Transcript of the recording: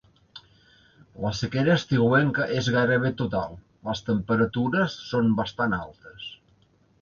La sequera estiuenca és gairebé total, les temperatures són bastant altes.